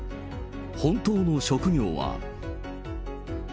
本当の職業は。